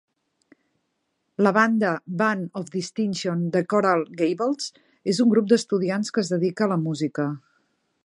La banda Band of Distinction de Coral Gables és un grup d'estudiants que es dedica a la música.